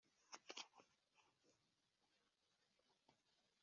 Rugero ibohora imbohe ikaziha kugubwa neza